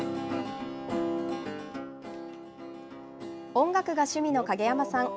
音楽が趣味の影山さん。